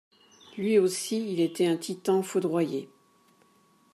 Lui aussi, il etait un Titan foudroyé.